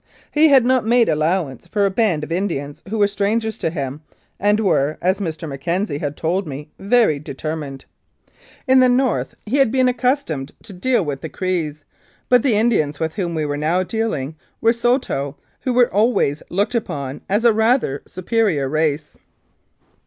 He had not made allowance for a band of Indians who were strangers to him, and were, as Mr. McKenzie had told me, "Very determined." In the North he had been accustomed to deal with Crees; but the Indians with whom we were now dealing were Saulteaux, who were always looked upon as a rather superior race.